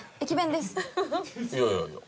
いやいやいや。